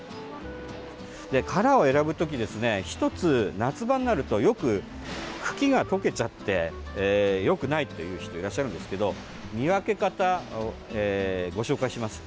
で、カラーを選ぶ時ですね、１つ夏場になると、よく茎が溶けちゃってよくないという人いらっしゃるんですけど見分け方、ご紹介します。